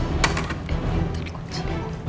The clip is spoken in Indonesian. eh benteng kunci